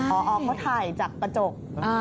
พอเขาถ่ายจากกระจก